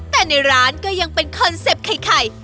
แต่ในร้านก็ยังเป็นคอนเซ็ปต์ไข่